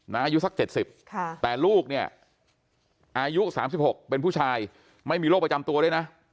อายุสัก๗๐แต่ลูกเนี่ยอายุ๓๖เป็นผู้ชายไม่มีโรคประจำตัวด้วยนะ